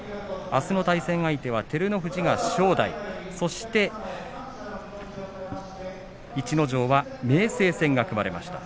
あすの対戦相手は照ノ富士が正代そして逸ノ城は明生戦が組まれました。